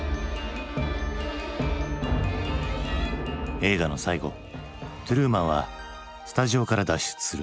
映画の最後トゥルーマンはスタジオから脱出する。